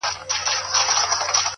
عاقل انسان له تېروتنې نه ځان نه ماتوي,